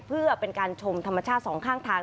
เพื่อเป็นการชมธรรมชาติสองข้างทาง